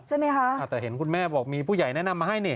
ใช่ไหมคะอ่าแต่เห็นคุณแม่บอกมีผู้ใหญ่แนะนำมาให้นี่